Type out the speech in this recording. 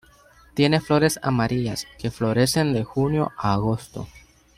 Tiene flores amarillas, que florecen de junio a agosto.